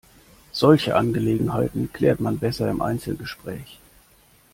Solche Angelegenheiten klärt man besser im Einzelgespräch.